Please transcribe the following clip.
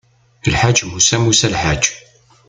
Lḥaǧ musa, musa lḥaǧ.